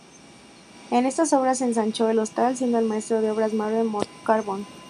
En estas obras se ensanchó el hostal, siendo el maestro de obras Maure Carbonell.